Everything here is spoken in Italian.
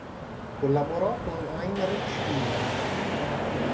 Collaborò con Heinrich Schliemann.